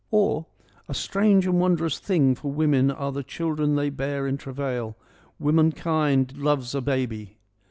or — A strange and wondrous thing for women are the children they bear in travail. Womankind loves a baby.